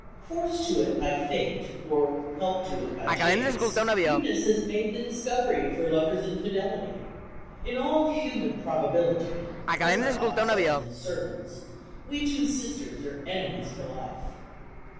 Forced to it by fate, or helped to it by chance, Eunice has made the discovery of her lover's infidelity. "In all human probability" (as my father says in his sermons), we two sisters are enemies for life.